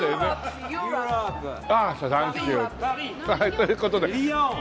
という事で。